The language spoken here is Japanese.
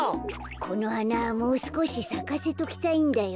このはなもうすこしさかせときたいんだよ。